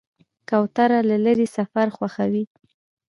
کوتره له لرې سفر خوښوي.